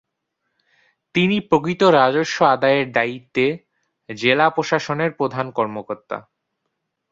তিনি প্রকৃত রাজস্ব আদায়ের দায়িত্বে জেলা প্রশাসনের প্রধান কর্মকর্তা।